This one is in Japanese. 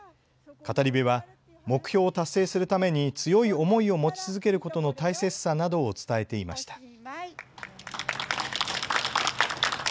語り部は目標を達成するために強い思いを持ち続けることの大切さなどを伝えていました。